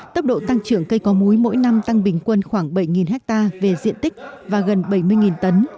tốc độ tăng trưởng cây có múi mỗi năm tăng bình quân khoảng bảy ha về diện tích và gần bảy mươi tấn